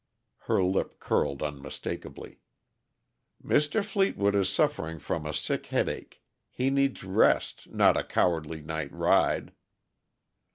Her lip curled unmistakably. "Mr. Fleetwood is suffering from a sick headache. He needs rest not a cowardly night ride."